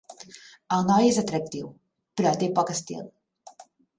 El noi és atractiu, però té poc estil.